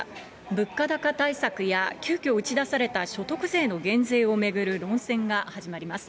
物価高対策や急きょ打ち出された所得税の減税を巡る論戦が始まります。